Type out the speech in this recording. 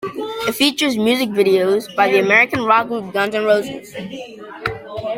It features music videos by the American rock group Guns N' Roses.